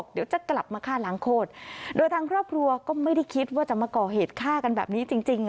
เดี๋ยวจะกลับมาฆ่าล้างโคตรโดยทางครอบครัวก็ไม่ได้คิดว่าจะมาก่อเหตุฆ่ากันแบบนี้จริงจริงอ่ะ